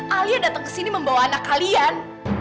alia datang kesini membawa anak kalian